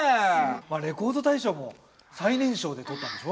レコード大賞も最年少で取ったんでしょ。